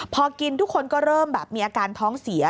พอกินทุกคนก็เริ่มแบบมีอาการท้องเสีย